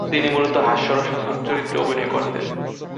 তিনি মূলত হাস্যরসাত্মক চরিত্রে অভিনয় করতেন।